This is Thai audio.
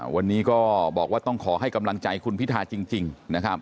วันนี้ก็บอกว่าต้องขอให้กำลังใจคุณพิทาจริง